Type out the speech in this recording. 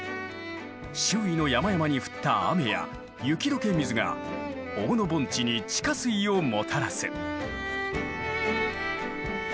周囲の山々に降った雨や雪解け水が大野盆地に地下水をもたらす。